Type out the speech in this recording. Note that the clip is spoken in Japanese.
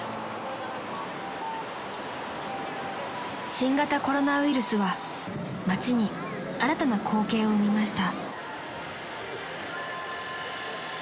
［新型コロナウイルスは街に新たな光景を生みました］